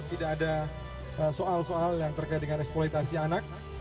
tidak ada soal soal yang terkait dengan eksploitasi anak